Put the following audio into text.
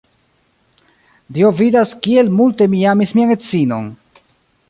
Dio vidas, kiel multe mi amis mian edzinon!